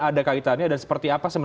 ada kaitannya dan seperti apa